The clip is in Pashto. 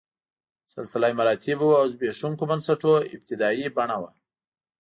سلسله مراتبو او زبېښونکو بنسټونو ابتدايي بڼه وه.